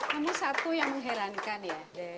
namun satu yang mengherankan ya